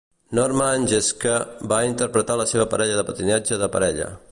Norman Jeschke va interpretar la seva parella de patinatge de parella.